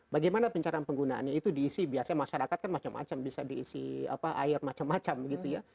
bagaimana pencarian penggunaannya itu diisi biasanya masyarakat kan macam macam bisa diisi air macam macam gitu ya